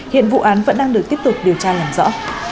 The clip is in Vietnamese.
hiện vụ án vẫn đang được tiếp tục điều tra làm rõ